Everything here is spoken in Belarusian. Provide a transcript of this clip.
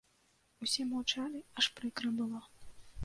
Усе маўчалі, аж прыкра было.